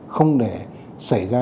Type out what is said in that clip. không để xảy ra